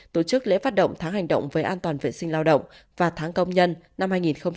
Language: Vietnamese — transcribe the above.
tổ chức lễ phát động tháng hành động về an toàn vệ sinh lao động và tháng công nhân năm hai nghìn hai mươi